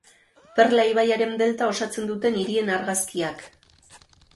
Perla ibaiaren delta osatzen duten hirien argazkiak.